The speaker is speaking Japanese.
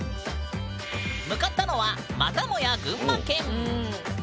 向かったのはまたもや群馬県。